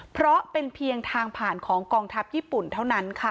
เพราะเป็นเพียงทางผ่านของกองทัพญี่ปุ่นเท่านั้นค่ะ